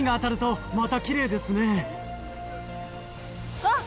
うわっ！